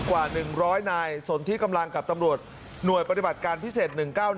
กว่า๑๐๐นายสนที่กำลังกับตำรวจหน่วยปฏิบัติการพิเศษ๑๙๑